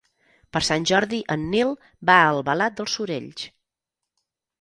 Per Sant Jordi en Nil va a Albalat dels Sorells.